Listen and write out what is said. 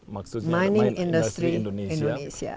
maksudnya mining industry indonesia